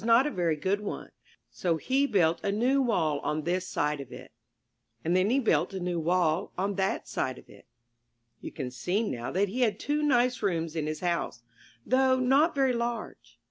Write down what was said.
there's a Tommy's house So he built a was not a new wall on this side of it And then he built a new wall \rnr7 on that side of it. w w You can see now that he had two nice rooms in his house, though not very large.